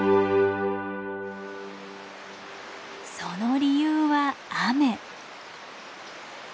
その理由は雨。